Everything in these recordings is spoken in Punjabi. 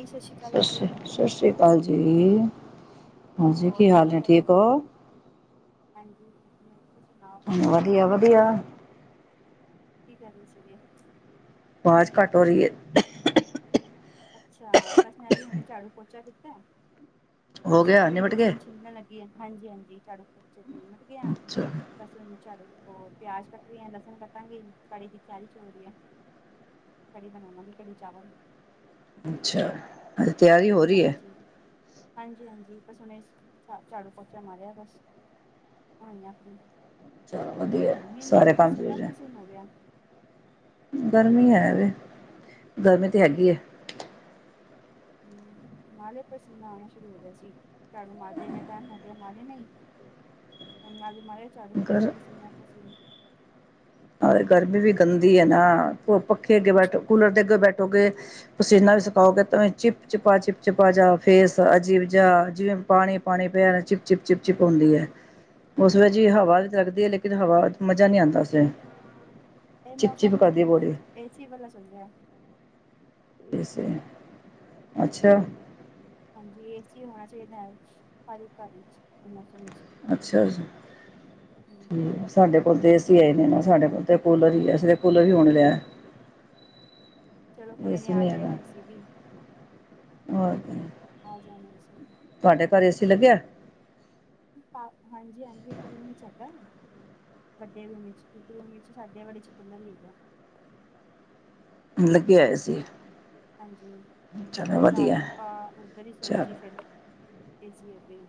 ਸਤਿ ਸ਼੍ਰੀ ਅਕਾਲ ਸਤ ਜੀ ਸ਼੍ਰ, ਸਤਿ ਸ਼੍ਰੀ ਅਕਾਲ ਜੀ, ਹਾਂਜੀ ਹੋਰ ਕੀ ਹਾਲ ਨੇ ਕਰ ਰਹੇ ਠੀਕ ਹੋ। ਹਾਂਜੀ ਵਧੀਆ, ਤੁਸੀ ਸੁਨਾਓ। ਵਧੀਆ-ਵਧੀਆ। ਕੀ ਕਰ ਰੇ ਸੀਗੇ? ਆਵਾਜ ਘੱਟ ਹੋ ਰਹੀ ਏ। ਅੱਛਾ, ਬਸ ਮੈ ਵੀ ਹੁਣੇ ਝਾੜੂ ਪੋਚਾ ਕੀਤਾ ਐ, ਹੋ ਬਸ ਮੈ ਗਿਆ ਵੀ ਨਿਬਟ ਗਏ ਲਸਣ ਛਿਲਣ ਲਗ ਹਾਂਜੀ-ਹਾਂਜੀ, ਝਾਡੁ ਪੋਚਾ ਤੇ ਨਿਮਟ ਗਯਾ। ਅੱਛਾ ਬਸ ਹੁਨ ਝਾੜੂ ਓ ਪਿਆਜ ਕਟ ਰਹੀ ਆਂ, ਲਸਨ ਕਟਾਂਗੀ ਕੜੀ ਦੀ ਤਿਆਰੀ ਜੋ ਹੋ ਰੀ ਐ। ਕੜੀ ਬਨਾਵਾਂਗੀ, ਕੜੀ ਚਾਵਲ। ਅੱਛਾ। [unintelligible] ਤਿਆਰੀ ਹੋ ਰਹੀ ਹੈ ਹਾਂਜੀ, ਹਾਂਜੀ-ਹਾਂਜੀ, ਬਸ ਹੁਨੇ ਝਾ ਝਾੜੂ ਪੋਚਾ ਮਾਰਿਆ ਬਸ। ਹੋਈ ਆਂ ਫ੍ਰੀ। ਚਲੋ ਵਧੀਆ ਐ, ਸਾਰੇ ਕੰਮ [unintelligible] [unintelligible] ਹੋ ਗਿਆ। ਗਰਮੀ ਹੈ ਵੇ, ਗਰਮੀ ਤੇ ਹੈਗੀ ਐ। ਹੂੰ, ਨਾਲੇ ਪਸੀਨਾ ਆਣਾ ਸ਼ੁਰੂ ਹੋ ਗਿਆ ਸੀ। ਝਾੜੂ ਮਾਰਦੇ ਏਨਾਂ ਟਾਈਮ ਹੋ ਗਿਆ, [unintelligible] ਨਈ ਹੁਨ ਅੱਜ ਮਾਰੇ ਝਾੜੂ ਪੋਚਾ ਗਰ ਪਸੀਨਾ ਪਸੀਨ ਔਰ ਗਰਮੀ ਵੀ ਗੰਦੀ ਐ ਨਾ, ਪੱਖੇ ਅਗੇ ਬੈਠੋ, ਕੂਲਰ ਦੇ ਅੱਗੇ ਬੈਠੋਗੇ ਪਸੀਨਾ ਵੀ ਸੁੱਕਾਓਗੇ ਤਾਂ ਵੀ ਚਿਪ ਚਿਪਾ, ਚਿਪ ਚਿਪਾ ਜਾ ਫੇਸ ਅਜੀਬ ਜਾ ਜਿਵੇਂ ਪਾਣੀ ਪਾਣੀ ਪੈਨ ਚਿਪ-ਚਿਪ, ਚਿਪ-ਚਿਪ ਹੁੰਦੀ ਐ। ਉਸ ਵੇ ਜੀ ਹਵਾ ਵੀ ਤੇ ਲੱਗਦੀ ਏ ਲੇਕਿਨ ਹਵਾ ਮਜ਼ਾ ਨੀ ਆਂਦਾ। [unintelligible] ਚਿਪ-ਚਿਪ ਕਰਦੀ ਏ ਬੋਡੀ। ਏ ਸੀ ਵਾਲਾ ਚੱਲ ਰਾ ਏ ਸੀ, ਅੱਛਾ। ਹਾਂਜੀ, ਏਸੀ ਹੋਣਾ ਚਾਈਦਾ ਐ ਹਰ ਇੱਕ ਘਰ ਵਿੱਚ ਇਸ ਮੌਸਮ ਵਿੱਚ। ਅੱਛਾ ਜੀ, ਠੀਕ। ਸਾਡੇ ਕੋਲ ਤੇ ਏ ਸੀ ਹੈ ਈ ਨੀ ਨਾ, ਸਾਡੇ ਕੋਲ ਤੇ ਕੂਲਰ ਹੀ ਐ, ਅਸੀਂ ਤਾਂ ਕੂਲਰ ਹੀ ਹੋਣ ਲਿਆ। ਚਲੋ ਏ ਕੋਈ ਸੀ ਆ ਨੀ ਹੈਗਾ, ਜਾਏਗਾ ਏਸੀ ਵੀ ਹੋਰ [unintelligible] ਆ ਜਾਨਾ ਏ ਸੀ ਵੀ। ਤੁਹਾਡੇ ਘਰ ਏ ਸੀ ਲੱਗਿਆ? [unintelligible] ਹਾਂਜੀ-ਹਾਂਜੀ, ਇੱਕ ਰੂਮ 'ਚ ਹੈਗਾ ਐ। ਵੱਡੇ ਰੂਮ 'ਚ ਇੱਕ ਰੂਮ 'ਚ, ਸਾਡੇ ਵਾਲੇ 'ਚ ਕੂਲਰ ਈ ਹੈਗਾ। ਲੱਗੇਆ ਏ ਸੀ। ਹਾਂਜੀ, ਚਲੋ ਫਿਰ ਵਧੀਆ ਰਾਤ ਆਪਾਂ ਓਧਰ ਹੀ ਸੋਏ ਚਲ ਸੀ ਫਿਰ ਏ ਸੀ ਅੱਗੇ।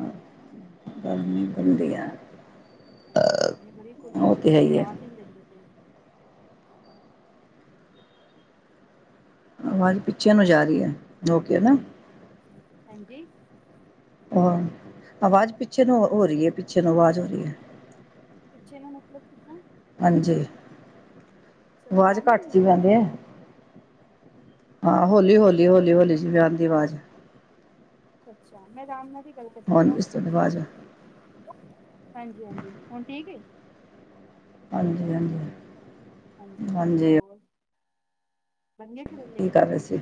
ਅੱਛਾ, ਗਰਮੀ [unintelligible] ਐ। ਹਾਂਜੀ, ਗਰਮੀ ਬੜੀ ਕੁਲਰ ਹੈ [unintelligible] ਦਿੰਦੇ ਪਏ। ਆਵਾਜ਼ ਪਿਛਿਆਂ ਨੂੰ ਜਾ ਰਹੀ ਐ ਜੋ ਕੇ ਨਾ। ਹਾਂਜੀ। ਆ ਆਵਾਜ਼ ਪਿੱਛੇ ਨੂੰ ਹੋ ਰੀ ਏ, ਪਿੱਛੇ ਨੂੰ ਆਵਾਜ ਹੋ ਰੀ ਏ। ਪੀਛੇ ਨੂੰ ਮਤਲਬ ਕਿਦਾਂ? ਹਾਂਜੀ, ਸਮਝ ਆਵਾਜ਼ ਆ ਨੀ ਰਹੀ ਘੱਟ 'ਚ ਮੇਰੀ ਆਵਾਜ਼ ਪੈਂਦੇ ਆ। ਹਾਂ, ਹੋਲੀ, ਹੋਲੀ, ਹੋਲੀ, ਹੋਲੀ ਜਿਵੇਂ ਆਣ ਦੀ ਆਵਾਜ। ਅੱਛਾ, ਮੈਂ ਰਾਮ ਨਾਲ ਵੀ ਗੱਲ ਕਰਨੀ ਆ ਹੁਣ ਨਾ। ਇਸ ਤੋਂ ਆਵਾਜ਼ ਹਾਂਜੀ-ਹਾਂਜੀ, ਹੁਨ ਠੀਕ ਏ। ਹਾਂਜੀ- ਹਾਂਜੀ। ਹਾਂਜੀ ਹੋਰ। ਬਣ ਗਏ ਕਰੇਲੇ ਕੀ ਕਰ ਰਹੇ ਸੀ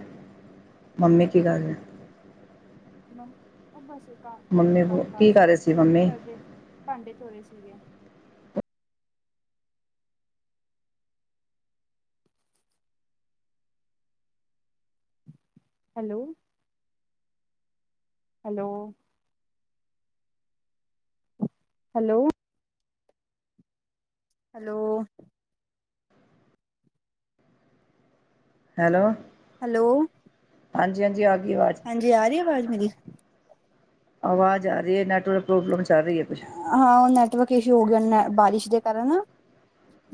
ਮੰਮੀ ਕੀ ਕਰ ਰੇ ਮ ਉਹ ਬਸ ਘਰ ਦੇ ਮੰਮੀ ਕੰਮ ਕੀ ਕਾਜ ਕਰ ਰਹੇ ਸੀ ਮੰਮੀ ਕਰਦੇ ਭਾਂਡੇ ਧੋਣ ਰੇ ਸੀਗੇ। Hello. Hello. Hello hello hello. Hello. ਹਾਂਜੀ ਹਾਂਜੀ ਆ ਗਈ ਅਵਾਜ਼ ਹਾਂਜੀ ਆ ਰਹੀ ਅਵਾਜ਼ ਮੇਰੀ ਅਵਾਜ਼ ਆ ਰਹੀ ਹੈ ਨੈਟਵਰਕ ਪ੍ਰੋਬਲਮ ਚਲ ਰਹੀ ਹੈ ਕੁਛ। ਹਾਂ ੳਹ ਨੈਟਵਰਕ ਇਸ਼ੂ ਹੋ ਗਿਆ ਨ ਬਾਰਿਸ਼ ਦੇ ਕਾਰਨ।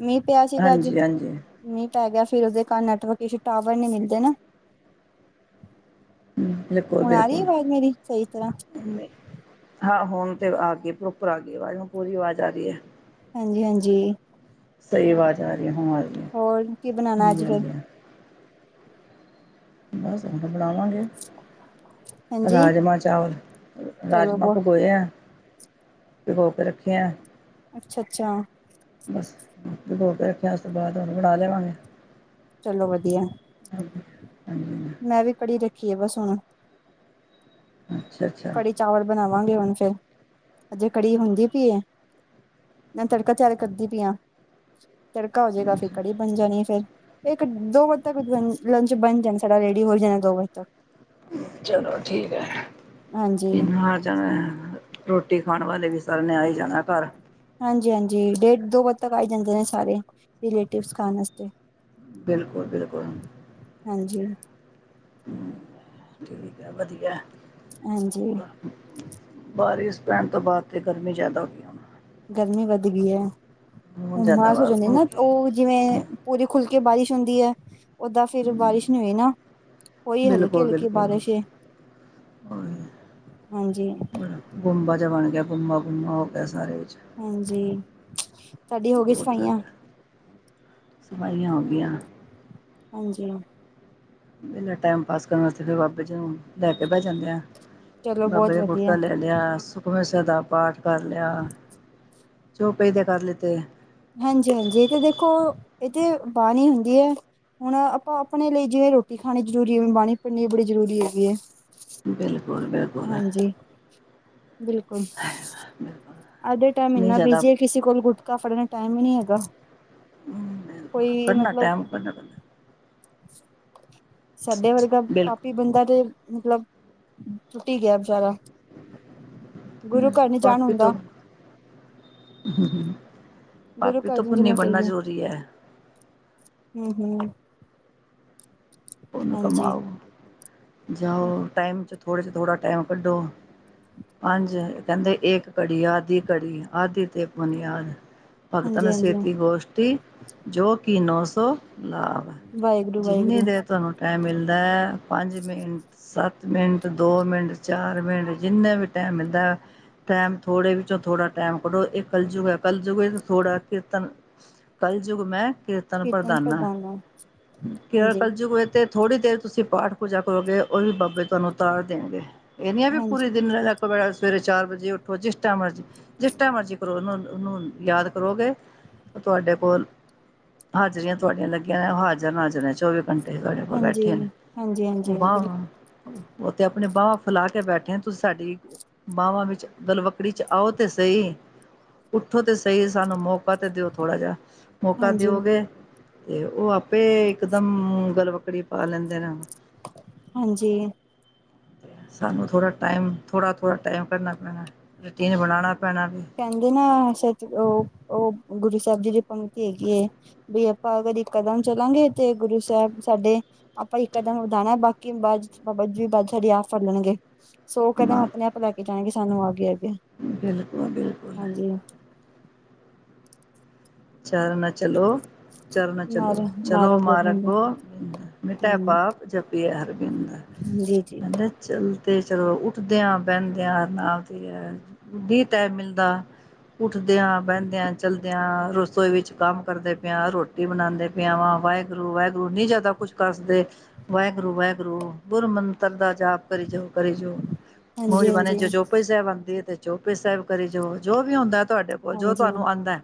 ਮੀਂਹ ਪਿਆ ਸੀਗਾ ਅੱਜ ਹਾਂਜੀ ਹਾਂਜੀ ਮੀਹ ਪੈ ਗਿਆ ਫਿਰ ਉਸਦੇ ਕਾਰ ਨੈਟਵਰਕ ਟਾਵਰ ਨੀ ਮਿਲਦੇ ਨਾ। ਬਿਲਕੁਲ ਹੁਣ ਆ ਰਹੀ ਏ ਬਿਲਕੁਲ ਆਵਾਜ਼ ਮੇਰੀ ਸਹੀ ਤਰ੍ਹਾਂ ਹਾਂ ਹੁਣ ਤੇ ਆ ਗੀ ਪ੍ਰੋਪਰ ਆ ਗਈ ਏ ਆਵਾਜ਼ ਹੁਨ ਪੂਰੀ ਆਵਾਜ਼ ਆ ਗਈ ਏ। ਹਾਂਜੀ ਹਾਂਜੀ। ਸਹੀ ਅਵਾਜ਼ ਆ ਰਹੀ ਹੋ ਰ ਹੋਰ ਕੀ ਬਨਾਨਾ ਅੱਜ ਫੇਰ ਬਸ ਹੁਨ ਫੇਰ ਬਣਾਵਾਂਗੇ ਹਾਂਜੀ ਰਾਜਮਾਂ ਚਾਲ ਚਲੋ ਰਾਜਮਾਂ ਬਹੁਤ ਭਗੋਏ ਆ। ਭਿਗੋ ਕੇ ਰੱਖੇ ਹਾਂ। ਅੱਛਾ ਅੱਛਾ। ਬਸ ਭਿਗੋ ਕੇ ਰੱਖਿਆ ਉਸ ਤੋਂ ਬਾਅਦ ਹੁਣ ਬਣਾ ਦੇਵਾਂਗੇ। ਚਲੋ ਵਧੀਆ। ਹਾਂਜੀ ਮੈਂ ਵੀ ਕੜੀ ਰੱਖੀ ਹੈ ਬਸ ਹੁਣ। ਅੱਛਾ ਅੱਛਾ। ਕੜੀ ਚਾਵਲ ਬਨਾਵਾਂਗੇ ਹੁਨ ਫੇਰ ਅਜੇ ਕੜੀ ਹੁੰਦੀ ਪੀ ਏ। ਮੈਂ ਤੜਕਾ ਤਿਆਰ ਕਰਦੀ ਪਈ ਆ ਤੜਕਾ ਹੋਜੇਗਾ ਫੇਰ ਅੱਛਾ ਕੜੀ ਬਣ ਜਾਣੀ ਏ ਫੇਰ ਇੱਕ ਦੋ ਵਜੇ ਤੱਕ ਲੰਚ ਬਣ ਜਾਣਾ ਸਾਡਾ ਰੈਡੀ ਹੋ ਜਾਣਾ ਦੋ ਵਜੇ ਤੱਕ। ਚਲੋ ਠੀਕ ਹੈ ਹਾਂਜੀ ਇਨ ਮਾਰ ਜਾਂ [unintelligible] ਰੋਟੀ ਖਾਣ ਵਾਲੇ ਵੀ ਸਾਰੇ ਆ ਨੇ ਆਂ ਹੀ ਜਾਣਾ ਘਰ। ਹਾਂਜੀ ਹਾਂਜੀ ਡੇਢ ਦੋ ਵੱਦ ਤੱਕ ਆ ਈ ਜਾਂਦੇ ਨੇ ਸਾਰੇ ਰਿਲੇਟਿਵ ਖਾਨ ਵਾਸਤੇ। ਬਿਲਕੁਲ ਬਿਲਕੁਲ ਹਾਂਜੀ ਠੀਕ ਹੈ ਵਧੀਆ। ਹਾਂਜੀ ਬਾਰਿਸ਼ ਪੈਨ ਤੋਂ ਬਾਅਦ ਤੇ ਗਰਮੀ ਜਿਆਦਾ ਹੋ ਗਈ ਹੁਨ। ਗਰਮੀ ਵੱਧ ਗਈ ਹੈ ਹੁਣ ਜ਼ਿਆਦਾ ਹੁਮਾਸ ਹੋ ਵਾ ਜਾਂਦੀ ਨਾ ਗਈ ਉਹ ਜਿਵੇਂ ਪੂਰੀ ਖੁੱਲ ਕੇ ਬਾਰਿਸ਼ ਹੁੰਦੀ ਹੈ। ਓਦਾਂ ਫੇਿਰ ਬਾਰਿਸ਼ ਨਹੀਂ ਹੋਈ ਨਾ ੳਹੀ ਹਲਕੀ ਬਿਲਕੁਲ ਹਲਕੀ ਬਿਲਕੁਲ ਬਾਰਿਸ਼ ਏ। ਬੜਾ ਹਾਂਜੀ ਗੁੰਬਾ ਜਿਹਾ ਬਣ ਗਿਆ ਬੁਮਾ ਬੁਮਾ ਹੋ ਗਿਆ ਸਾਰੇ ਵਿਚ। ਹਾਂਜੀ ਤੁਹਾਡੀ ਹੋ ਗਈ ਬਹੁਤ ਸਫਾਈਆਂ ਜ਼ਿਆਦਾ ਸਫਾਈਆਂ ਹੋ ਗਈਆਂ ਹਾਂਜੀ ਵੇਹਲੇ ਟਾਈਮ ਪਾਸ ਕਰਨ ਵਾਸਤੇ ਫਿਰ ਬਾਬੇ ਜੀ ਨੂੰ ਲੈ ਕੇ ਬਹਿ ਜਾਂਦੇ ਆ ਚਲੋ ਬਾਬੇ ਬਹੁਤ ਦਾ ਵਧੀਆ ਕੁੜਤਾ ਲੈ ਲਿ। ਲਿਆ ਸੁਖਮਨੀ ਸਾਹਿਬ ਦਾ ਪਾਠ ਕਰ ਲਿਆ ਚੋਪਈ ਦੇ ਕਰ ਲਿੱਤੇ। ਹਾਂਜੀ- ਹਾਂਜੀ ਇਹ ਤੇ ਦੇਖੋ ਇਹ ਤੇ ਬਾਣੀ ਹੁੰਦੀ ਹੈ। ਹੁਣ ਆਪਾਂ ਆਪਣੇ ਲਈ ਜਿਵੇਂ ਰੋਟੀ ਖਾਣੀ ਜ਼ਰੂਰੀ। ਹੈਵੇ ਬਾਣੀ ਪੜਨੀ ਬੜੀ ਜ਼ਰੂਰੀ ਹੈਗੀ ਹੈ। ਬਿਲਕੁਲ- ਬਿਲਕੁਲ। ਹਾਂਜੀ, ਬਿਲਕੁਲ। ਬਿਲਕੁਲ ਅਜ ਦਾ ਟਾਈਮ ਨਹੀਂ ਇੰਨਾ ਜ਼ਿਆਦਾ ਬਿਜੀ, ਕਿਸੇ ਕੋਲ ਗੁਟਕਾ ਫੜਨ ਟਾਈਮ ਹੀ ਨਹੀਂ ਹੈਗਾ। ਕੋਈ ਮਤਲਬ, ਧੰਨੇ ਧੰਨਵਾਦ [unintelligible] ਸਾਡੇ ਵਰਗਾ ਪਾਪੀ ਬਿਲਕੁਲ ਬੰਦਾ ਤੇ ਮਤਲਬ, ਟੁਟ ਹੀ ਗਿਆ ਵਿਚਾਰਾ। ਜਾਣ ਪਾਪੀ ਹੁੰਦਾ ਤੋਂ। ਗੁਰੂ ਪਾਪੀ ਘਰ ਤੋਂ ਪੁਨੀ ਜਿਹਨੂੰ ਬਣਨਾ ਜ਼ਰੂਰੀ ਹੈ। ਹੂੰ-ਹੂੰ। ਪੁਨ ਹਾਂਜੀ ਕਮਾਓ, ਜਾਓ ਟਾਈਮ ਚ ਥੋੜਾ ਚੋ ਥੋੜਾ ਟਾਈਮ ਕੱਢੋ। ਪੰਜ ਕਹਿੰਦੇ, ਇੱਕ ਘੜੀ, ਆਧਿ ਘੜੀ, ਆਧਿ ਤੇ ਬੁਨਿਆਦ। ਭਗਤਨ ਹਾਂਜੀ ਹਾਂਜੀ ਸੇਤੀ ਗੋਸ਼ਟੀ ਜੋ ਕਿਨੌ ਸੌ ਲਾਭ। ਵਾਹਿਗੁਰੂ ਜਿੰਨੀ ਵਾਹਿਗੁਰੂ ਦੇਰ ਤੁਹਾਨੂੰ ਟਾਈਮ ਮਿਲਦਾ ਹੈ, ਪੰਜ ਮਿੰਟ ਸੱਤ ਮਿੰਟ, ਦੋ ਮਿੰਟ, ਚਾਰ ਮਿੰਟ, ਜਿੰਨੇ ਵੀ ਟੈਮ ਮਿਲਦਾ। ਟਾਈਮ ਥੋੜੇ ਵਿੱਚੋਂ ਥੋੜਾ ਟਾਈਮ ਕਢੋ। ਇਹ ਕਲਜੂਗਾ ਹੈ, ਕਲਜੂਗ ਥੋੜਾ ਕੀਰਤਨ ਕਲਯੁਗ ਮੈਂ ਕੀਰਤਨ ਪ੍ਰਦਾਨਾ, ਕ- ਹਾਂਜੀ ਜੇ ਥੋੜੀ ਦੇਰ ਤੁਸੀਂ ਪਾਠ- ਪੂਜਾ ਕਰੋਗੇ, ਉਹ ਵੀ ਬਾਬੇ ਤੁਹਾਨੂੰ ਉਤਾਰ ਦੇਣਗੇ। ਇਹ ਨਹੀਂਆਂ ਵੀ ਹਾਂਜੀ ਪੂਰੇ ਦਿਨੈ, ਸਵੇਰੇ ਚਾਰ ਵਜੇ ਉੱਠੋ ਜਿਸ ਟਾਈ ਮਰਜ਼ੀ। ਜਿਸ ਟੇਮ ਮਰਜ਼ੀ ਕਰੋ ਉਹਨੂੰ, ਉਹਨੂੰ ਯਾਦ ਕਰੋਗੇ ਓਹ ਤੁਹਾਡੇ ਕੋਲ। ਹਾਜ਼ਰੀਆਂ ਤੁਹਾਡੀਆਂ ਲੱਗੀਆਂ ਨੇ। ਹਾਜ਼ਰ ਨਾਜ਼ਰ ਹੈ ਚੌਵੀ ਸਾਡੇ ਕੋਲ ਹਾਂਜੀ, ਬੈਠੇ ਨੇ ਹਾਂਜੀ-ਹਾਂਜੀ ਉਹ ਵਾਹ ਬਿਲ ਵ। ਉਤੇ ਆਪਣੇ ਬਾਹਵਾਂ ਫੈਲਾ ਕੇ ਬੈਠੇ ਆ, ਤੁਸੀਂ ਸਾਡੀ ਬਾਵਾਂ ਵਿੱਚ ਗਲਵੱਕੜੀ ਚ ਆਓ ਤੇ ਸਈ, ਉੱਠੋ ਤੇ ਸਈ ਸਾਨੂੰ ਮੌਕ ਕਾ ਤੇ ਦਿਓ ਥੋੜਾ ਜਿਹਾ, ਮੌਕਾ ਹਾਂਜੀ, ਦੇਓਗੇ ਤੇ ਉਹ ਆਪੇ ਇਕਦਮ ਹੂੰ ਗਲ਼ਵੱਕੜੀ ਪਾ ਲੈਂਦੇ ਨੇ। ਹਾਂਜੀ। ਸਾਨੂੰ ਥੋੜਾ ਟਾਈਮ ਥੋੜਾ-ਥੋੜਾ ਟਾਈਮ ਕਰਨਾ ਪੈਣਾ, ਰੂਟੀਨ ਬਣਾਣਾ ਪੈਣਾ ਵੀ। ਕਹਿੰਦੇ ਨਾ ਸਚ ਉਹ, ਉਹ ਗੁਰੂ ਸਾਹਿਬ ਜੀ ਦੀ ਪੰਕਤੀ ਹੈਗੀ ਏ। ਵੀ ਆਪਾਂ ਅਗਰ ਇੱਕ ਕਦਮ ਚੱਲਾਂਗੇ, ਤੇ ਗੁਰੂ ਸਾਹਿਬ ਸਾਡੇ। ਆਪਾਂ ਇਕ ਕਦਮ ਬਦਾਣਾ ਐ, ਬਾਕੀ ਬਾਜ ਬਾਬਾ ਜੀ ਬਾਹ ਸਾਡੀ, ਆਪ ਫੜ ਲੈਣਗੇ। ਸੋਂ ਕਦਮ ਆਪਣੇ ਆਪ ਲੈ ਕੇ, ਜਾਣਗੇ ਸਾਨੂੰ ਆ ਕੇ ਅੱਗੇ। ਬਿਲਕੁਲ- ਬਿਲਕੁਲ। ਹਾਂਜੀ। ਚਰਨ ਚਲੋ, ਚਰਨ ਚਲੋ, ਮਾਰੋ, ਚਲੋ ਮਾਰੋ ਮਾਰਗ ਗੋਬਿੰਦ ਗੋ- ਮਿੱਟੇ ਪਾਪ, ਜਪਿਆ ਹਰਵਿੰਦ। ਜੀ- ਜੀ। ਚਲਦੇ ਚਲੋ ਉੱਠਦੇਆਂ ਬਹਿੰਦਿਆਂ ਨਾਮ ਹੀ ਹੈ। ਵੀ ਟੈਮ ਮਿਲਦਾ ਉੱਠਦਿਆਂ ਬਹਿੰਦਿਆਂ ਚਲਦਿਆਂ ਰੋ- ਰਸੋਈ ਵਿੱਚ ਕੰਮ ਕਰਦੇ ਪਿਆ, ਰੋਟੀ ਬਣਾਉਂਦੇ ਪਿਆ ਵਾਂ, ਵਾਹਿਗੁਰੂ ਵਾਹਿਗੁਰੂ ਨਹੀਂ ਜ਼ਿਆਦਾ ਕੁਛ ਕੱਰ ਸਕਦੇ। ਵਾਹਿਗੁਰੂ, ਵਾਹਿਗੁਰੂ ਗੂਰ ਮੰਤਰ ਦਾ ਜਾਪ ਕਰੀ ਜਾਓ। ਕਰੀ ਜੋ, ਮੂੰਝ ਬਣੇ ਹਾਂਜੀ-ਹਾਂਜੀ, ਜੋ ਚੋਪਾਈ ਸਾਹਿਬ ਆਉਂਦੀ ਹੈ, ਤੇ ਚੋਪਾਣੀ ਸਾਹਿਬ ਕਰੀ ਜੋ, ਜੋ ਵੀ ਹੁੰਦਾ। ਤੁਹਾਡੇ ਕੋਲ, ਜੋ ਹਾਂਜੀ-ਹਾਂਜੀ ਤੁਹਾਨੂੰ ਆਉਂਦਾ ਹੈ।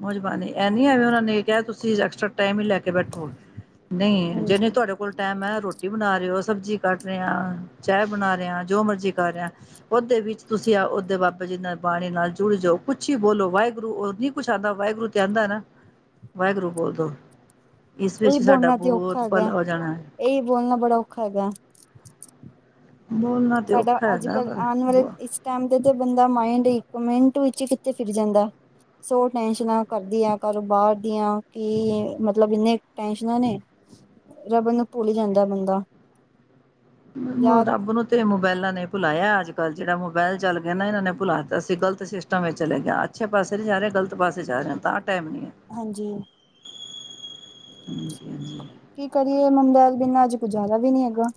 ਮੂਹ ਜਬਾਨੀ, ਐ ਨੀ ਆਵੇਂ ਉਹਨਾਂ ਨੇ ਕਿਹਾ ਤੁਸੀਂ ਐਕਸਟਰਾ ਟਾਈਮ ਹੀ ਲੈ ਕੇ ਬੈਠੋ। ਨਹੀਂ, ਜਿਹਨੇ ਤੁਹਾਡੇ ਕੋ- ਕੋਲ ਟੈਮ ਹੈ, ਰੋਟੀ ਬਣਾ ਰਹੇ ਹੋ, ਸਬਜ਼ੀ ਕੱਟ ਰਿਹੇਹਾ, ਚਾਹ ਬਣਾ ਰਹੇਹਾ, ਜੋ ਮਰਜ਼ੀ। ਕਰ ਰਿਹਾ, ਉਹਦੇ ਵਿੱਚ, ਤੁਸੀਂ ਆ ਉਹਓਦੇ ਬਾਬੇ ਜੀ ਨਾਲ, ਬਾਣੀ ਨਾਲ, ਜੁੜ ਜਾਓ। ਕੁੱਛ ਹੀ ਬੋਲੋ ਵਾਹਿਗੁਰੂ ਨੀ। ਕੁਛ ਆਂਦਾ ਵਾਹਿਗੁਰੂ, ਤੇ ਆਂਦਾ ਨਾ, ਵਾਹਿਗੁਰੂ ਬੋਲਦੋ। ਇਸ ਵਿੱਚ ਸਾਡਾ ਬੋਅਤ ਭਲਾ ਹੋ ਜਾਣਾ ਐ। ਏ-ਈ ਬੋਲਣਾ ਬੜਾ ਔਖਾ ਹੈਗਾ। ਬੋਲ ਨਾ ਸਾਡਾ ਅੱਜ-ਕੱਲ੍ਹ ਆਣ ਵਾਲੇ ਇਸ ਟਾਈਮ ਤੇ-ਤੇ ਬੰਦਾ ਮਾਇੰਡ ਇੱਕ ਮਿੰਟ ਵਿੱਚ ਕਿੱਥੇ ਫਿਰ ਜਾਂਦਾ। ਸੋ ਟੈਸ਼ਨਾਂ ਕਰਦੀ ਆ ਕਾਰੋ- ਬਾਰ ਦੀਆਂ ਕੀ ਮਤਲਬ ਇਨੇ ਟੈਸ਼ਨਾਂ ਨੇ। ਰਬ ਨੂੰ ਭੁੱਲ ਜਾਂਦਾ ਬੰਦਾ। ਅ ਯਾਦ ਰੱਬ ਨੂੰ ਤੇ ਮੋਬਾਇਲਾਂ ਨੇ ਭੁਲਾਇਆ ਅੱਜ-ਕੱਲ ਜਿਹੜਾ ਮੋਬਾਇਲ ਚਲ ਗਿਆ ਨਾ ਇਹਨਾਂ ਨੇ ਭੁਲਾ ਦਿੱਤਾ ਸੀ ਗਲਤ ਸਿਸਟ ਟਮ, ਵਿਚ ਚਲੇ ਗਿਆ ਅੱਛੇ ਪਾਸੇ ਨੀ ਜਾ ਰਿਹਾ ਗਲਤ ਪਾਸੇ ਜਾ ਰਿਹਾ ਤਾਂ ਟੇਮ ਨੀ ਹਾਂਜੀ। [unintelligible] ਹਾਂਜੀ-ਹਾਂਜੀ। ਕੀ ਕਰੀਏ ਮਬਾਇਲ ਬਿਨਾ ਅੱਜ ਗੁਜ਼ਾਰਾ ਵੀ ਨੀ ਹੈਗਾ।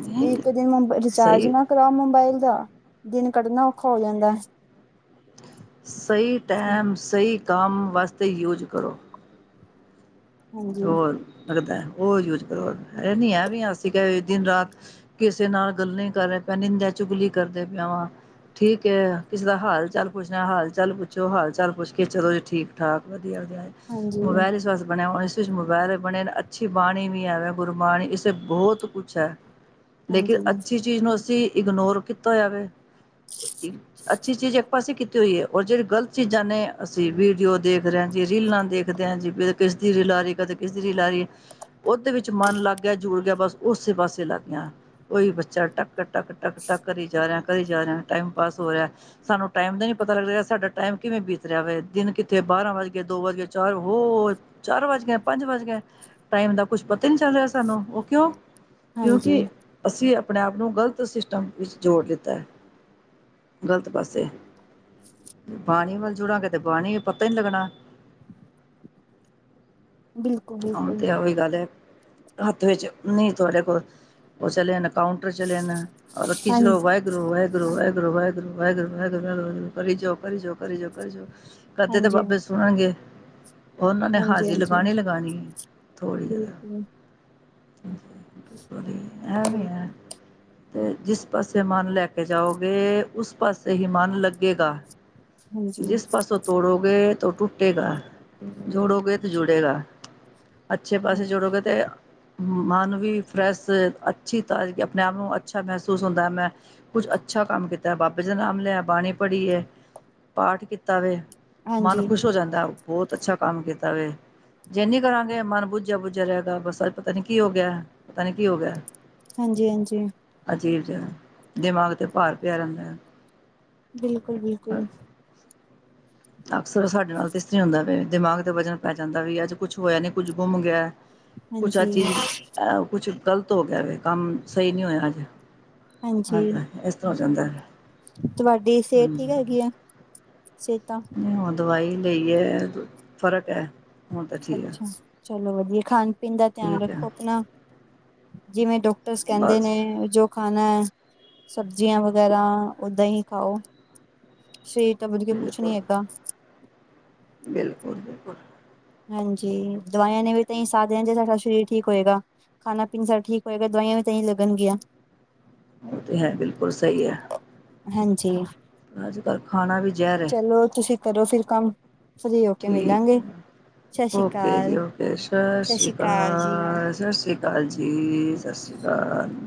ਨਹੀਂ ਇੱਕ ਦਿਨ ਮੁਬ ਰਿਚਾਰਜ ਸਹੀ ਨਾ ਕਰਾ ਮੋਬਾਇਲ ਦਾ ਦਿਨ ਕੱਢਣਾ ਔਖਾ ਹੋ ਜਾਂਦਾ ਐ। ਸਈ ਟੇਮ, ਸਈ ਕੰਮ ਵਾਸਤੇ ਯੂਜ ਕਰੋ। ਹਾਂਜੀ ਹੋਰ ਲੱਗਦਾ ਉਹ ਯੂਜ ਕਰੋ ਇਹ ਨੀ ਐ ਵੀ ਅਸੀਂ ਕਹਿ ਵੀ ਦਿਨ ਰਾਤ ਕਿਸੇ ਨਾਲ ਗੱਲਾਂ ਈ ਕਰ ਰਿਹਾ ਪੇ ਨਿੰਦਿਆ-ਚੁਗਲੀ ਕਰਦੇ ਪਿਆ ਵਾਂ। ਠੀਕ ਏ ਕਿਸੇ ਦਾ ਹਾਲ ਚਾਲ ਪੁੱਛਣਾ ਹਾਲ-ਚਾਲ ਪੁੱਛੋ, ਹਾਲ-ਚਾਲ ਪੁੱਛ ਕੇ ਚਲੋ ਜੀ ਠੀਕ-ਠਾਕ ਵਧੀਆ-ਵਧੀਆ। ਹਾਂਜੀ ਮੋਬਾਇਲ ਇਸ ਵਸ ਬਣਿਆ ਹੋਇਆ ਇਸ ਵਿਚ ਮੋਬਾਇਲ ਬਣੇ ਨੇ ਅੱਛੀ ਬਾਣੀ ਵੀ ਐ ਵੇ ਗੁਰਬਾਣੀ ਇਸੇ ਬਹੁਤ ਕੁਛ ਐ। ਲੇਕਿਨ ਹਾਂਜੀ ਅੱਛੀ ਚੀਜ਼ ਨੂੰ ਅਸੀਂ ਇਗਨੋਰ ਕੀਤਾ ਹੋਇਆ ਵੇ। [inaudible] ਅੱਛੀ ਚੀਜ਼, ਇੱਕ ਪਾਸੇ ਕੀਤੀ ਹੋਈ ਏ ਔਰ ਜਿਹੜੀ ਗਲਤ ਚੀਜ਼ਾਂ ਨੇ ਅਸੀਂ ਵੀਡੀਓ ਦੇਖ ਰੇ ਆ ਜੀ ਰੀਲਾਂ ਦੇਖ ਦੇ ਹਾਂ ਜੀ, ਵੀ ਕਿਸ ਦੀ ਰੀਲ ਆ ਰੀ ਕਦੇ ਕਿਸ ਦੀ ਰੀਲ ਆ ਰੀ ਉਹਦੇ ਵਿੱਚ ਮਨ ਲੱਗ ਗਿਆ ਜੁੜ ਗਿਆ ਬਸ ਉਸੇ ਪਾਸੇ ਲੱਗ ਗਿਆ। ਕੋਈ ਬੱਚਾ ਟੱਕ-ਟੱਕ-ਟੱਕ-ਟੱਕ ਕਰੀ ਜਾ ਰਿਹਾ ਕਰੀ ਜਾ ਰਿਹਾ ਟਾਈਮ ਪਾਸ ਹੋ ਰਿਹਾ। ਸਾਨੂੰ ਟਾਈਮ ਦਾ ਨੀ ਪਤਾ ਲੱਗ ਰਿਹਾ ਸਾਡਾ ਟਾਈਮ ਕਿਵੇਂ ਬੀਤ ਰਿਹਾ ਹੋਵੇ ਦਿਨ ਕਿੱਥੇ ਬਾਰਾਂ ਵੱਜ ਗਿਆ ਦੋ ਵੱਜ ਗਏ ਚਾਰ ਹੋ ਚਾਰ ਵੱਜ ਗਏ ਪੰਜ ਵੱਜ ਗਏ ਟਾਈਮ ਦਾ ਕੁਛ, ਪਤਾ ਨੀ ਚੱਲ ਰਿਹਾ ਸਾਨੂੰ ਉਹ ਕਿਉਂ? ਹਾਂਜੀ ਕਿਉਂਕਿ, ਅਸੀਂ ਆਪਣੇ ਆਪ ਨੂੰ ਗ਼ਲਤ ਸਿਸਟਮ ਵਿੱਚ ਜੋੜ ਦਿੱਤਾ ਹੈ। ਗ਼ਲਤ ਪਾਸੇ ਬਾਣੀ ਵ ਜੁੜਾਂਗੇ ਤੇ ਬਾਣੀ ਪਤਾ ਹੀ ਲੱਗਣਾ। ਬਿਲਕੁਲ ਹੁਣ ਬਿਲਕੁਲ ਤੇ ਹੀ ਗੱਲ ਹੈ ਹੱਥ ਵਿੱਚ ਨ ਤੁਹਾਡੇ ਕੋਲ ਉਹ ਚਲੇ। ਕਾਊਂਟਰ ਚਲੇਣਾ ਰ ਰੱਖੀ ਹਾਂਜੀ ਚੋ ਵਾਹਿਗੁਰੂ-ਵਾਹਿਗੁਰੂ ੁਰ ਵਾਹਿਗੁਰੂ, ਵਾਹਿਗੁਰੂ, ਵਾਹਿਗੁਰੂ, ਵਾਹਿਗੁਰੂੀ ਕਰੀ ਜ ਕਰੀ ਜ ਕਰੀ ਕਰਦੇ ਤੇ ਹਾਂਜੀ ਵਪ ਸੁਣਨਗੇ, ਉਹਨਾਂ ਨੇ ਹਾਂਜੀ ਹਾਜ਼ਰੀ ਹਾਂਜੀ ਲਗਾਣੀ ਲਗਾਣੀ ਥੋੜ੍ਹੀ ਜਿਦਾ ਬਿਲਕੁਲ ਇਹ ਵੀ ਹੈ। ਬਿਲਕੁਲ ਤੇ ਜਿਸ ਪਾਸੇ ਮਨ ਲੈ ਕੇ ਜਾਓਗੇ ਉਸ ਪਾਸੇ ਹੀ ਮਨ ਲੱਗੇਗਾ। ਹਾਂਜੀ ਹਾਂਜੀ ਜਿਸ ਪਾਸੋਂ ਤੋੜੋਗੇ ਤਾਂ, ਉਹ ਟੁੱਟੇਗਾ ਜੋੜੋਗੇ ਤਾਂ ਹਾਂਜੀ ਜੁੜੇਗਾ। ਅੱਛੇ ਪਾਸੇ ਜੋੜੋਗੇ ਤੇ ਮਨ ਵੀ ਫਰੈਸ਼ ਅੱਛੀ, ਤ ਆਪਣੇ ਆਪ ਨੂੰ ਅੱਛਾ ਮਹਿਸੂਸ ਹੁੰਦਾ ਮੈਂ ਕੁਝ ਅੱਛਾ ਕੰਮ ਕੀਤਾ ਬਾਬੇ ਦਾ ਨਾਮ ਲਿਆ ਬਾਣੀ ਪੜ੍ਹੀ ਐ। ਪਾਠ ਕੀਤਾ ਵੇ, ਮਨ ਹਾਂਜੀ, ਖੁਸ਼ ਹੋ ਜਾਂਦਾ ਬਹੁਤ ਅੱਛਾ ਕੰਮ ਕੀਤਾ ਵੇ‌। ਜੇਨੀ ਕਰਾਂਗੇ ਮਨ ਬੁੱਝਿਆ-ਬੁੱਝਿਆ ਰਹੇਗਾ ਬਸ ਅ ਪਤਾ ਨੀ ਕੀ ਹੋ ਗਿਆ, ਪਤਾ ਨੀ ਕੀ ਹੋ ਗਿਆ। ਹਾਂਜੀ-ਹਾਂਜੀ। ਅਜੀਬ ਜਿਹਾ, ਦਿਮਾਗ 'ਤੇ ਭਾਰ ਪਿਆ ਰਹਿੰਦਾ ਐ। ਬਿਲਕੁੱਲ-ਬਿਲਕੁੱਲ। ਅਕਸਰ ਸਾਡੇ ਨਾਲ ਤੇ ਇਸ ਤਰੀ ਹੁੰਦਾ ਪਿਆ ਦਿਮਾਗ ਦਾ ਵਜ਼ਨ ਪੈ ਜਾਂਦਾ ਵੀ ਅੱਜ ਕੁਛ ਹੋਇਆ ਨੀ ਕੁੱਝ ਗੁੰਮ ਗਿਆ। ਕੁਛ ਅ ਹਾਂਜੀ, ਚੀਜ਼, ਐ ਕੁਛ ਗ਼ਲਤ ਹੋ ਗਿਆ ਵੇ ਕੰਮ ਸਈ ਨੀ ਹੋਇਆ ਅੱਜ। ਹਾਂਜੀ, ਇਸ ਤਰ੍ਹਾਂ ਹੋ ਜਾਂਦਾ ਐ। ਤੁਹਾਡੀ ਸਿਹਤ ਠੀਕ ਹੈਗੀ ਏ, ਸਿਹਤਾਂ? ਹ ਦਵਾਈ ਲ ਹੈ, ਫਰਕ ਹੈ। ਹੁਣ ਤਾਂ ਠੀਕ ਹੈ ਅੱਛਾ ਚਲੋ ਵਧੀਆ ਖਾਣ ਪੀਣ ਦਾ ਧਿਆਨ ਠੀਕ ਹੈ ਰੱਖੋ ਆਪਣਾ ਜਿਵੇਂ ਡਾਕ [unintelligible] ਕਹਿੰਦੇ ਬਸ ਨੇ ਜੋ ਖਾਣਾ ਸਬਜ਼ੀਆਂ ਵਗੈਰਾ ਓਦਾਂ ਹੀ ਖਾਓ ਸਰੀਰ ਤਾਂ ਵਧ ਕੇ ਕੁੱਛ ਬਿਲਕੁਲ ਨੀ ਹੈਗਾ ਬਿਲਕੁਲ ਬਿਲਕੁਲ ਹਾਂਜੀ ਦਵਾਈਆਂ ਨੇ ਵੀ ਤਾਂ [unintelligible] ਜੇ ਸਾਡਾ ਸਰੀਰ ਠੀਕ ਹੋਏਗਾ ਖਾਣਾ ਪੀਣ ਸਾ ਠੀਕ ਹੋਏਗਾ ਦਵਾਈਆਂ ਵੀ ਤਾਂ ਲੱਗਣਗੀਆਂ ਉਹ ਤੇ ਹੈ ਬਿਲਕੁਲ ਸਹੀ ਐ ਹਾਂਜੀ ਅਜ ਕੱਲ੍ਹ ਖਾਣਾ ਵੀ ਜ਼ਹਿਰ ਐ ਚਲੋ ਤੁਸੀਂ ਕਰੋ ਫਿਰ ਕੰਮ ਫ੍ਰੀ ਹੋ ਕੇ ਮਿਲਾਂਗੇ ਸਤਿ ਠੀਕ ਸ਼੍ਰੀ ਓਕੇ ਜੀ ਅਕਾਲ, ਓਕੇ ਸਤਿ ਸ਼੍ਰੀ ਅਕਾਲ ਸਤਿ ਸ਼੍ਰੀ ਅਕਾਲ ਸਤਿ ਅਕਾਲ ਜੀ ਸਤਿ ਸ਼੍ਰੀ ਅਕਾਲ